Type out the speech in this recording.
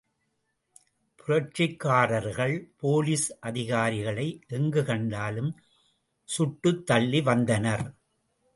புரட்சிக்காரர்கள் police அதிகாரிகளை எங்கு கண்டாலும் சுட்டுத்தள்ளி வந்தனர்.